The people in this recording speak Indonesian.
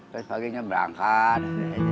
terus paginya berangkat